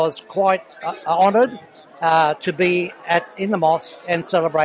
saya sangat ingin berada di masjid dan merayakan idul fitri